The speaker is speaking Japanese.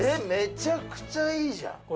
めちゃくちゃいいじゃん